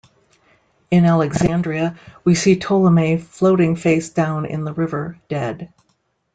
In Alexandria, we see Ptolemy floating facedown in the river, dead.